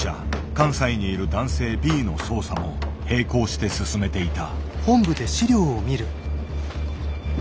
関西にいる男性Ｂの捜査も並行して進めていた。